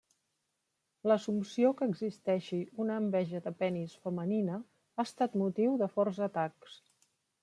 L'assumpció que existeixi una enveja de penis femenina ha estat motiu de forts atacs.